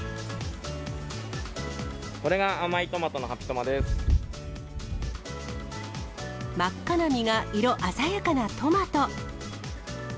これが甘いトマトのハピトマ真っ赤な実が色鮮やかなトマト。